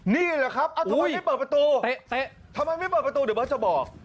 นี่แหละครับทำไมไม่เปิดประตูเตะทำไมไม่เปิดประตูเดี๋ยวเบิร์ตจะบอก